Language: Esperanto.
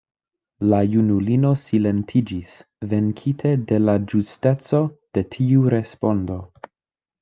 La junulino silentiĝis, venkite de la ĝusteco de tiu respondo.